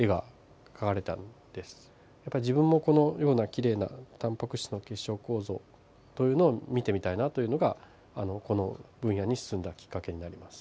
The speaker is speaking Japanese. やっぱり自分もこのようなきれいなタンパク質の結晶構造というのを見てみたいなというのがこの分野に進んだきっかけになります。